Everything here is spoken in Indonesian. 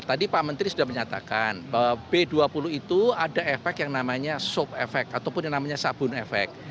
tadi pak menteri sudah menyatakan bahwa b dua puluh itu ada efek yang namanya sop efek ataupun yang namanya sabun efek